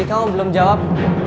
ri kamu belum jawab